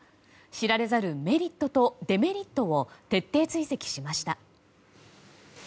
知られざるメリットとデメリットを徹底追跡しました。